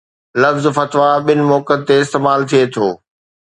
لفظ فتويٰ ٻن موقعن تي استعمال ٿئي ٿو